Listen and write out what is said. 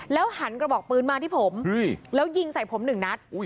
หันกระบอกปืนมาที่ผมแล้วยิงใส่ผมหนึ่งนัด